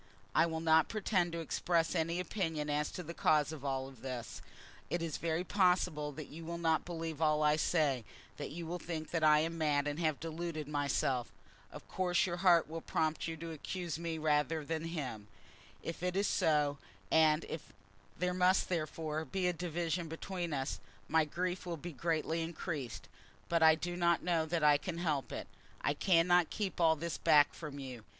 I will not pretend to express any opinion as to the cause of all this. It is very possible that you will not believe all I say, that you will think that I am mad and have deluded myself. Of course your heart will prompt you to accuse me rather than him. If it is so, and if there must therefore be a division between us, my grief will be greatly increased; but I do not know that I can help it. I cannot keep all this back from you.